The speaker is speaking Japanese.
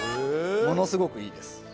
ものすごくいいです。